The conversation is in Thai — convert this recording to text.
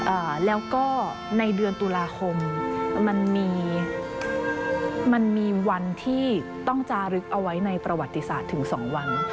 อ่าแล้วก็ในเดือนตุลาคมมันมีมันมีวันที่ต้องจารึกเอาไว้ในประวัติศาสตร์ถึงสองวัน